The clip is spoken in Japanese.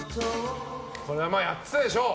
これはまあ、やってたでしょう。